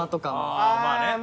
あまあまあね。